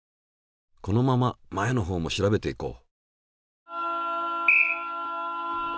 このまま前のほうも調べていこう。